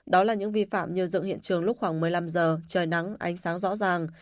đó là những vi phạm như dựng hiện trường lúc khoảng một mươi năm giờ trời nắng ánh sáng rõ ràng